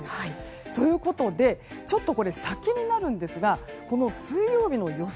ということでちょっと先になるんですが水曜日の予想